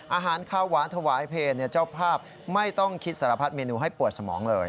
อาหารข้าวหวานถวายเพลเจ้าภาพไม่ต้องคิดสารพัดเมนูให้ปวดสมองเลย